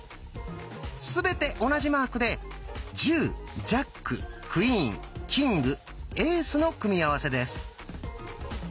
全て同じマークで「１０ジャッククイーンキングエース」の組み合わせです。